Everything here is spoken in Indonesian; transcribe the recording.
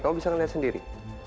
kamu bisa ngeliat sendiri